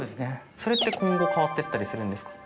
それって今後変わってったりするんですか？